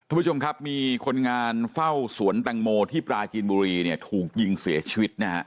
ทุกผู้ชมครับมีคนงานเฝ้าสวนตังโมที่ปลากินบุรีเนี่ยถูกยิงเสียชีวิตนะฮะ